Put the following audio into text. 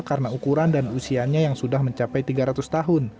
karena ukuran dan usianya yang sudah mencapai tiga ratus tahun